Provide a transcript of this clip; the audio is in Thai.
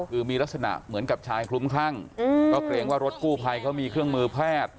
คือมีลักษณะเหมือนกับชายคลุ้มคลั่งก็เกรงว่ารถกู้ภัยเขามีเครื่องมือแพทย์